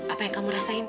apa yang kamu rasain